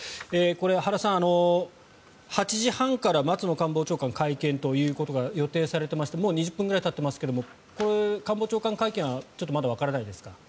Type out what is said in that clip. これは原さん、８時半から松野官房長官が会見ということが予定されていましてもう２０分くらいたっていますがこれは官房長官会見はまだわからないですか。